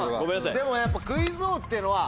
でもやっぱ。